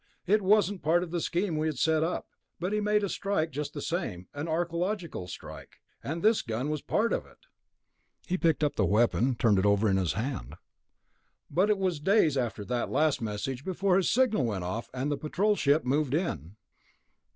"It wasn't part of the scheme we had set up, but he made a strike just the same ... an archeological strike ... and this gun was part of it." He picked up the weapon, turned it over in his hand. "But it was days after that last message before his signal went off, and the Patrol ship moved in."